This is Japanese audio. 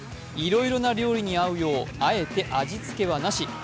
いろいろな料理に合うようあえて味付けはなし。